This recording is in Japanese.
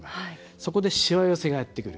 そこでしわ寄せが来る。